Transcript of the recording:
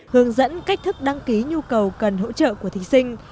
hướng dẫn cách thức đăng ký nhu cầu cần hỗ trợ của thí sinh